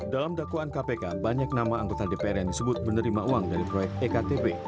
dalam dakwaan kpk banyak nama anggota dpr yang disebut menerima uang dari proyek ektp